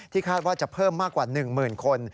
ที่คาดว่าจะเพิ่มมากกว่า๑หมื่นคน